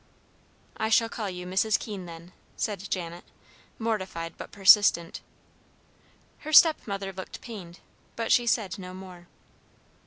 "I shall call you Mrs. Keene, then," said Janet, mortified, but persistent. Her stepmother looked pained, but she said no more.